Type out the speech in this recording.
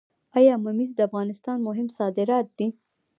آیا ممیز د افغانستان مهم صادرات دي؟